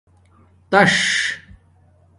تاس